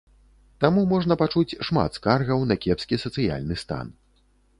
Таму можна пачуць шмат скаргаў на кепскі сацыяльны стан.